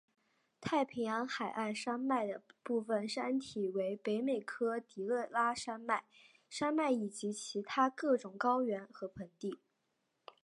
太平洋海岸山脉的部分山体为北美科迪勒拉山脉山脉以及其他各种高原和盆地。